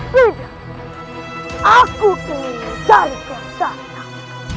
tidak aku ingin mencari kian santang